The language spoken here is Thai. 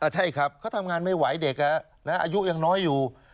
ใช่ครับเขาทำงานไม่ไหวเด็กอายุยังน้อยอยู่